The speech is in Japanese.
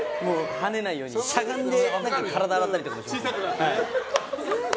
はねないようにしゃがんで体洗ったりとか。